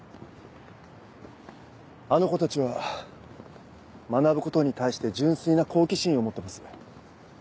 あの子たちは学ぶことに対して純粋な好奇心を持ってます。